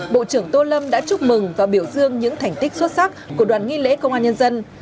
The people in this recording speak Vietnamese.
bộ trưởng tô lâm đã chúc mừng và biểu dương những thành tích xuất sắc của đoàn nghi lễ công an nhân dân